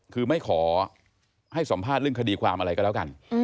คือไม่ขอให้สัมภาษณ์เรื่องคดีความอะไรก็แล้วกัน